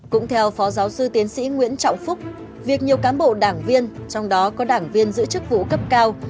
cũng theo phó giáo sư tiến sĩ nguyễn trọng phúc việc nhiều cán bộ đảng viên trong đó có đảng viên giữ chức vụ cấp cao